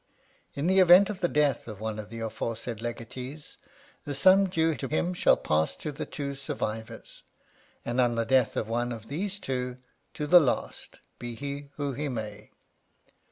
In the event of the death of one of the aforesaid legatees, the sum due to him shall pass to the two survivors, and on the death of one of these two, to the last, be he who he may.